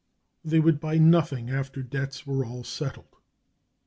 They would buy nothing after debts were all settled.